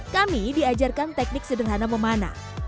kami diajarkan teknik sederhana memanah